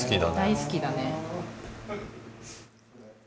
大好きだね。